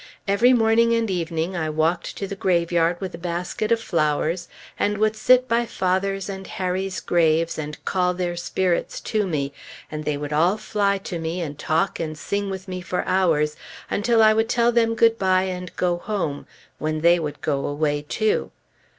Every morning and evening I walked to the graveyard with a basket of flowers, and would sit by father's and Harry's graves and call their spirits to me; and they would all fly to me, and talk and sing with me for hours until I would tell them good bye and go home, when they would go away too.